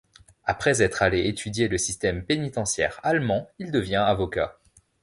Après être allé étudier le système pénitentiaire allemand, il devient avocat.